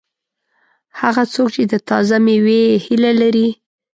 هغه څوک چې د تازه مېوې هیله لري.